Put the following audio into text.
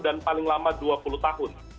dan paling lama dua puluh tahun